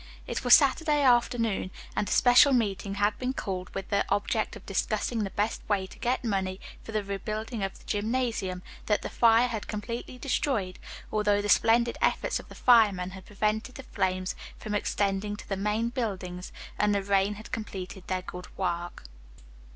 It was Saturday afternoon, and a special meeting had been called with the object of discussing the best way to get money for the rebuilding of the gymnasium, that the fire had completely destroyed, although the splendid efforts of the firemen had prevented the flames from extending to the main buildings, and the rain had completed their good work.